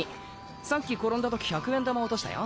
さっき転んだ時１００円玉落としたよ。